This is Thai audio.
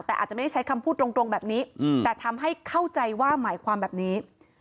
แต่อาจจะไม่ได้ใช้คำพูดตรงแบบนี้แต่ทำให้เข้าใจว่าหมายความแบบนี้